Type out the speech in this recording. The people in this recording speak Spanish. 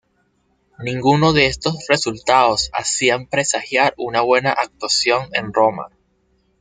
Ninguno de estos resultados hacían presagiar una buena actuación en Roma.